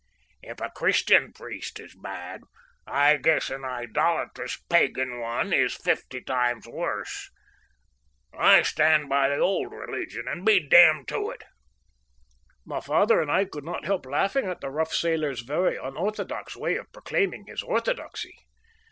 If a Christian priest is bad, I guess an idolatrous pagan one is fifty times worse. I stand by the old religion, and be d d to it!" My father and I could not help laughing at the rough sailor's very unorthodox way of proclaiming his orthodoxy.